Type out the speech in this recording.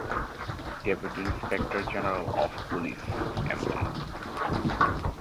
Deputy Inspector General of Police Md.